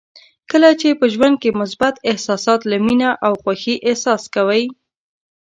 کله چې په ژوند کې مثبت احساسات لکه مینه او خوښي احساس کوئ.